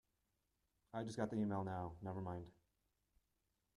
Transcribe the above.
I just got the email now, never mind!.